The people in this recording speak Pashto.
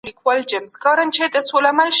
څېړونکی د بصیرت په رڼا کي ځي.